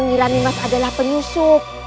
yang kira nih mas adalah penyusup